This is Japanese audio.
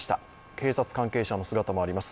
警察関係者の姿もあります。